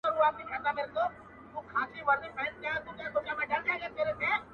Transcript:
جولا سوی لا نه ئې، بيا نېچې غلا کوې.